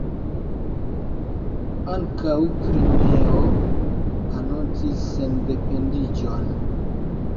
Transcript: Ankaŭ Krimeo anoncis sendependiĝon.